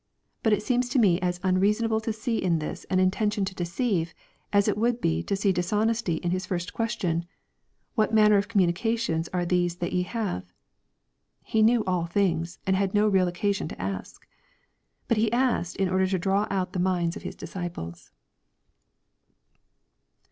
But it seems to me as unreasonable to see in this an intention to deceive, as it would be to see dishonesty in His first question, " What manner of communications are these that ye have ?'* He knew all things, and had no real occasion to ask. But He asked in order to draw out the minds of His disciples.